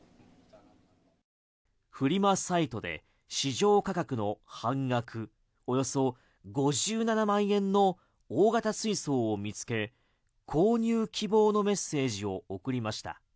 フリマサイトで市場価格の半額およそ５７万円の大型水槽を見つけ購入希望のメッセージを送りました。